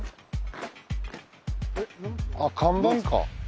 あっ看板か。